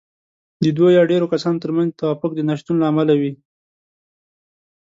د دوو يا ډېرو کسانو ترمنځ د توافق د نشتون له امله وي.